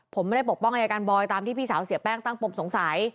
ผมไม่ได้ปกป้องอายการบอยตามที่พี่สาวเสียแป้งตั้งปมสงสัย